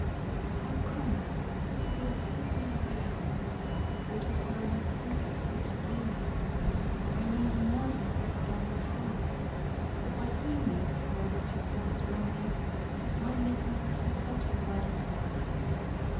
"I'll come if you'll take me as I am which is what I must previously explain to you: I mean more than I've ever done before. But what HE means by what you call his remedy is my making you feel better about himself."